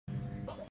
No audio